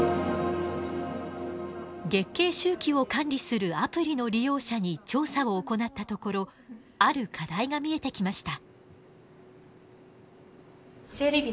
月経周期を管理するアプリの利用者に調査を行ったところある課題が見えてきました。